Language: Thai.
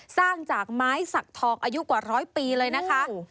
สร้างจากไม้สักทองอายุกว่าร้อยปีเลยนะคะ